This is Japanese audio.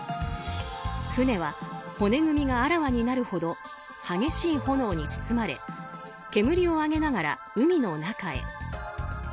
船は骨組みがあらわになるほど激しい炎に包まれ煙を上げながら海の中へ。